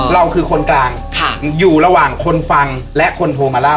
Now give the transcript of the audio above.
เราคือคนกลางอยู่ระหว่างคนฟังและคนโทรมาเล่า